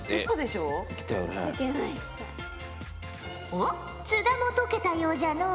おっ津田も解けたようじゃのう。